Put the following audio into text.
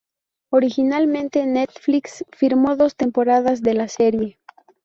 Originalmente Netflix firmó dos temporadas de la serie.